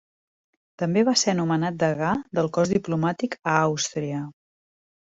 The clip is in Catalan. També va ser nomenat degà del cos diplomàtic a Àustria.